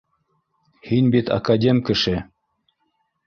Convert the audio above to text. Һин бит академ кеше